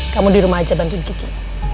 kamu di rumah aja bantuin kiki